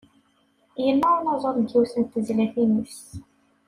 Yenna unaẓuṛ deg yiwet n tezlatin-is.